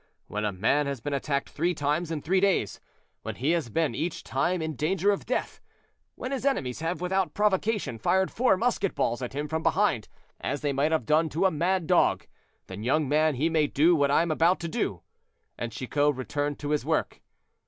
When a man has been attacked three times in three days—when he has been each time in danger of death—when his enemies have, without provocation, fired four musket balls at him from behind—as they might have done to a mad dog—then, young man, he may do what I am about to do." And Chicot returned to his work.